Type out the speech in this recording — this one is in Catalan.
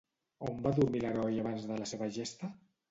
On va dormir l'heroi abans de la seva gesta?